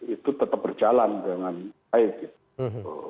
itu tetap berjalan dengan baik gitu